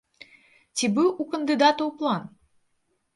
Ці быў у кандыдатаў план?